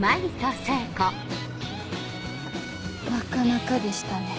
なかなかでしたね。